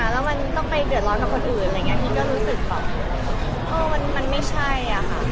แล้วมันต้องไปเดือดร้อนกับคนอื่นอะไรอย่างนี้พี่ก็รู้สึกแบบเออมันไม่ใช่อะค่ะ